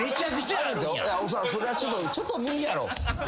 ちょっと無理やろ。